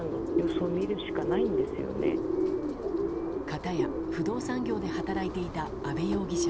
かたや、不動産業で働いていた阿部容疑者。